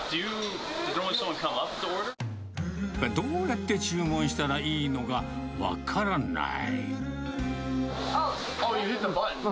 どうやって注文したらいいのか分からない。